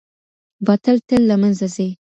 باطل تل له منځه ځي.